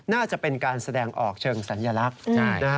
น่าจะเป็นการแสดงออกเชิงสัญลักษณ์